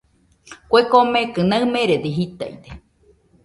Kue komekɨ naɨmerede jitaide.